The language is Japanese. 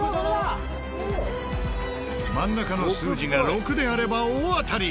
真ん中の数字が６であれば大当たり。